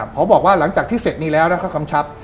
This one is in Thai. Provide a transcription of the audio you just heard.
พอบอกว่าหลังจากที่เสร็จนี้แล้วนะครับกำชับ